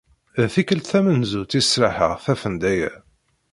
D tikelt tamenzut i sraḥeɣ tafenda-ya.